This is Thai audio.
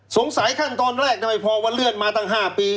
สงสัยขั้นตอนแรกทำไมพอวันเลือดมาตั้ง๕ปี